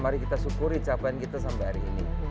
mari kita syukuri capaian kita sampai hari ini